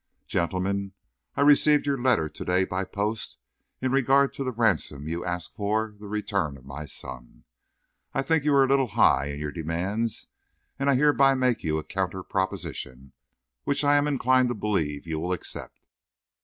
Gentlemen:_ I received your letter to day by post, in regard to the ransom you ask for the return of my son. I think you are a little high in your demands, and I hereby make you a counter proposition, which I am inclined to believe you will accept.